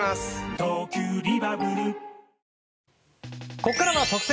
ここからは特選！！